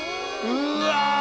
うわ！